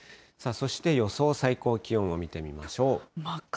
さあ、そして予想最高気温を見てみましょう。